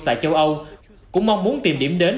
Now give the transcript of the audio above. tại châu âu cũng mong muốn tìm điểm đến